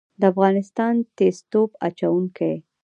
د افغانستان تیز توپ اچوونکي